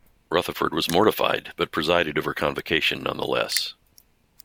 Rutherford was mortified, but presided over convocation nonetheless.